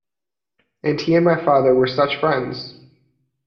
And he and my father were such friends!